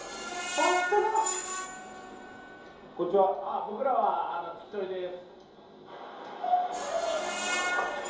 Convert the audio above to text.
あっ僕らは付き添いです。